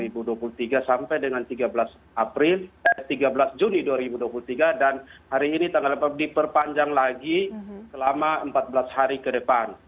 sepuluh mei dua ribu dua puluh tiga sampai dengan tiga belas juni dua ribu dua puluh tiga dan hari ini tanggal dapat diperpanjang lagi selama empat belas hari ke depan